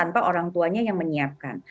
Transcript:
dan itu adalah yang orang tuanya yang menyiapkan